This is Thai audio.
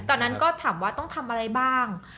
ตอนนั้นก็ถามว่าต้องทำอะไรบ้าง